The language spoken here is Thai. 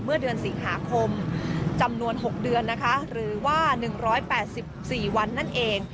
เมื่อเดือนสิงหาคมจำนวน๖เดือนนะคะหรือว่า๑๘๔วันนั่นเอง